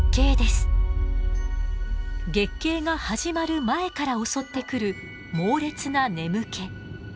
月経が始まる前から襲ってくる猛烈な眠気。